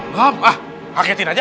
gap ah kagetin aja